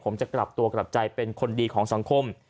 ผมจะกลับตัวกลับใจเป็นคนดีของสังคม